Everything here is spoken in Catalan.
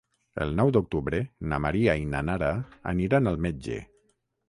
El nou d'octubre na Maria i na Nara aniran al metge.